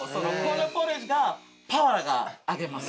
ポリッジがパワーがあげます。